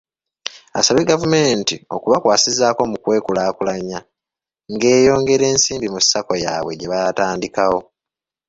Asabye gavumenti okubakwasizaako mu kwekulaakulanya ng’eyongera ensimbi mu Sacco yaabwe gye baatandikawo.